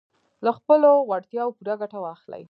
له خپلو وړتیاوو پوره ګټه واخلئ.